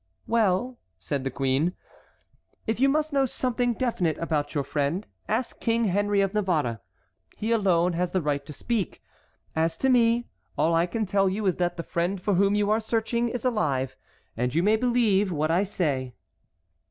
"Well," said the queen, "if you must know something definite about your friend, ask King Henry of Navarre. He alone has the right to speak. As to me, all I can tell you is that the friend for whom you are searching is alive, and you may believe what I say."